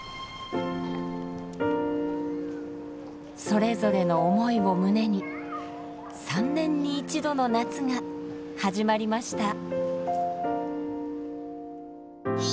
それぞれの思いを胸に３年に一度の夏が始まりました。